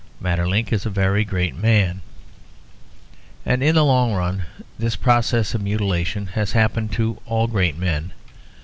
Maeterlinck is a very great man; and in the long run this process of mutilation has happened to all great men.